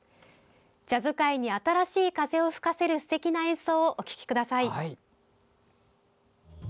ジャズ界に新しい風を吹かせるすてきな演奏をお聴きください。